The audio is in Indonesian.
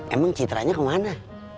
emang citranya kemana